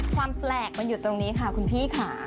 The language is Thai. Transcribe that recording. ความแปลกมันอยู่ตรงนี้ค่ะคุณพี่ค่ะ